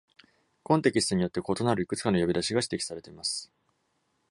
コンテキストによって異なるいくつかの呼び出しが指摘されています。